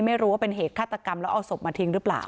ไม่รู้ว่าเป็นเหตุฆาตกรรมแล้วเอาศพมาทิ้งหรือเปล่า